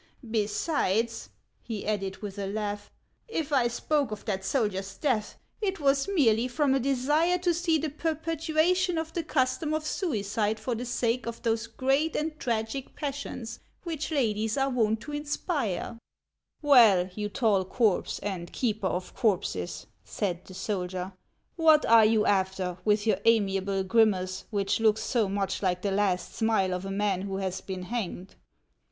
Besides," he added, with a laugh, " if I spoke of that soldier's death, it was merely from a desire to see the perpetuation of the custom of suicide for the sake of those great and tragic passions which ladies are wont to inspire." HANS OF ICELAND. 29 " Well, you tall corpse and keeper of corpses," said the soldier, " what are you after, with your amiable grimace, which looks so much like the last smile of a man who has been hanged